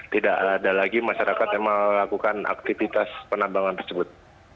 tidak ada lagi masyarakat yang melakukan aktivitas penambangan tersebut